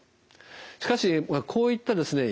しかしこういったですね